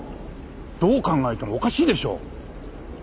どう考えてもおかしいでしょう？